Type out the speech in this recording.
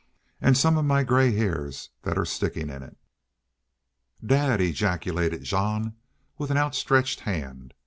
An' some of my gray hairs that 're stickin' in it!" "Dad!" ejaculated Jean, with a hand outstretched.